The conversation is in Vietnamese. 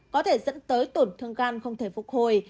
có thể dẫn tới tổn thương gan không thể phục hồi